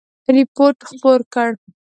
رپوټ خپور کړ.